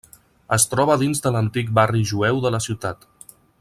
Es troba dins de l'antic barri jueu de la ciutat.